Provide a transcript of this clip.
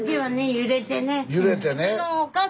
揺れてね。